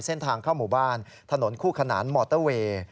เส้นทางเข้าหมู่บ้านถนนคู่ขนานมอเตอร์เวย์